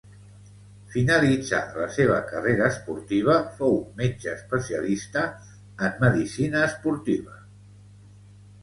Finalitzada la seva carrera esportiva fou metge especialista en medicina esportiva.